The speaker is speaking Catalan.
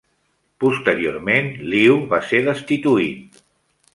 Posteriorment, Liu va ser destituït.